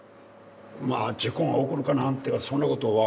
まあ事故が起こるかなんてはそんなこと分かんないよ。